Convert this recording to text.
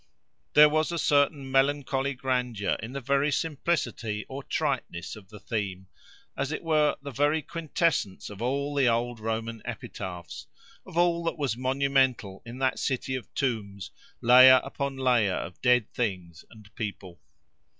There was a certain melancholy grandeur in the very simplicity or triteness of the theme: as it were the very quintessence of all the old Roman epitaphs, of all that was monumental in that city of tombs, layer upon layer of dead things and people.